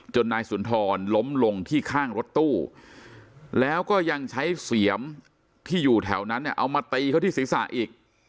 นายสุนทรล้มลงที่ข้างรถตู้แล้วก็ยังใช้เสียมที่อยู่แถวนั้นเนี่ยเอามาตีเขาที่ศีรษะอีก